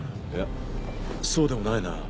いやそうでもないな。